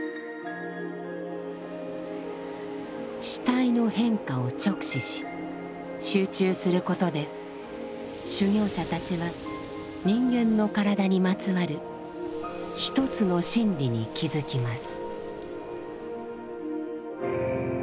死体の変化を直視し集中することで修行者たちは人間の体にまつわる一つの真理に気づきます。